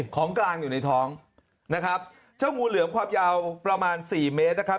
ของกลางอยู่ในท้องนะครับเจ้างูเหลือมความยาวประมาณสี่เมตรนะครับ